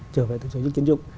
trở về từ số chức tiến dụng